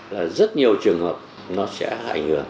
là rất nhiều trường hợp nó sẽ hại hưởng